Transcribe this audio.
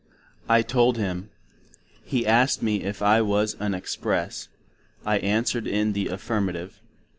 I told him. He asked me if I was an express? I answered in the afirmative.